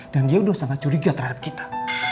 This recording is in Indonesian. dan dia udah sangat curiga terhadap kita